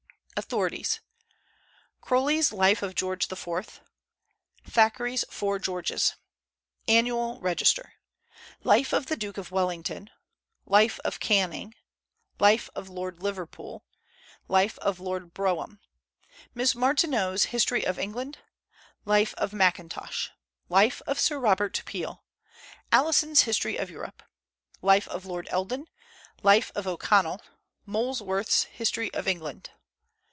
AUTHORITIES. Croly's Life of George IV.; Thackeray's Four Georges; Annual Register; Life of the Duke of Wellington; Life of Canning; Life of Lord Liverpool; Life of Lord Brougham; Miss Martineau's History of England; Life of Mackintosh; Life of Sir Robert Peel; Alison's History of Europe; Life of Lord Eldon; Life of O'Connell; Molesworth's History of England.